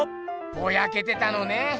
ボヤけてたのね。